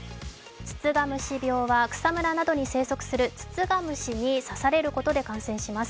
つつが虫病は草むらなどに生息するツツガムシに刺されることで感染します。